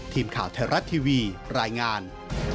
ทีมข่าวไทยรัฐทีวีรายงาน